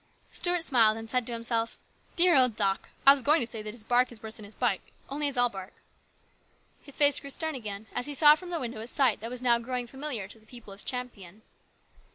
Stuart smiled and said to himself :" Dear old Doc ! I was going to say that his bark was worse than his bite ; only it's all bark." His face grew stern again as he saw from the window a sight that was growing familiar to the people of Champion.